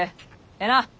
ええな？